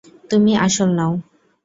তুমি আসল নও।